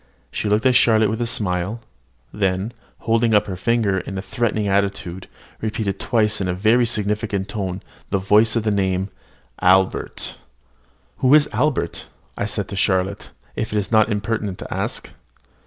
She looked at Charlotte with a smile, then, holding up her finger in a threatening attitude, repeated twice in a very significant tone of voice the name of "Albert." "Who is Albert," said I to Charlotte, "if it is not impertinent to ask?"